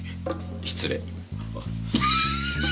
失礼。